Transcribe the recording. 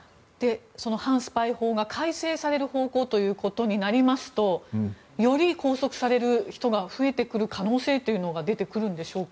反スパイ法が改正される方向ということになりますとより拘束される人が増えてくる可能性というのが出てくるんでしょうか？